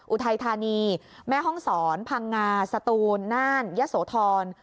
อุทัยธานีแม่ห้องศรพังงาสตูนน่านยะโสธร